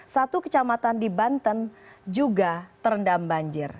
satu kecamatan di banten juga terendam banjir